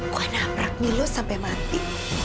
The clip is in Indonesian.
gue naprak nih lu sampai mati